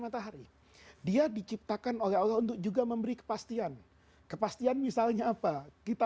matahari dia diciptakan oleh allah untuk juga memberi kepastian kepastian misalnya apa kita